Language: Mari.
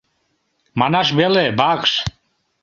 — Манаш веле: вакш.